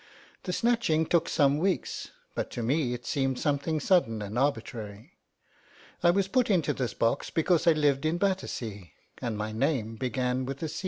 The snatching took some weeks, but to me it seemed something sudden and arbitrary. I was put into this box because I lived in Battersea, and my name began with a C.